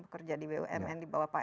bekerja di bumn di bawah prg itu